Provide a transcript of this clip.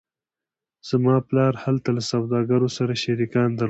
زما پلار هلته له سوداګرو سره شریکان درلودل